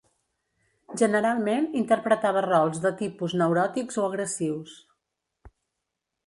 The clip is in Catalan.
Generalment interpretava rols de tipus neuròtics o agressius.